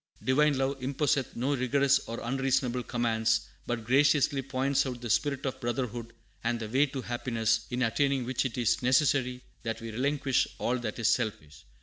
Divine Love imposeth no rigorous or unreasonable commands, but graciously points out the spirit of brotherhood and the way to happiness, in attaining which it is necessary that we relinquish all that is selfish.